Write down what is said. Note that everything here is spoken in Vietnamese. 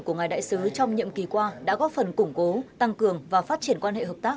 của ngài đại sứ trong nhiệm kỳ qua đã góp phần củng cố tăng cường và phát triển quan hệ hợp tác